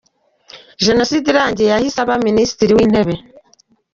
Jenoside irangiye yahise aba Minisitiri w’Intebe.